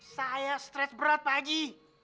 saya stress berat pak haji